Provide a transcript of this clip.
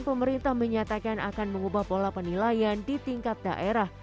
pemerintah menyatakan akan mengubah pola penilaian di tingkat daerah